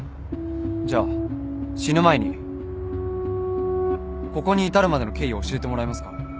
じゃあ死ぬ前にここに至るまでの経緯を教えてもらえますか？